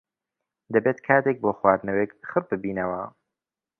دەبێت کاتێک بۆ خواردنەوەیەک خڕببینەوە.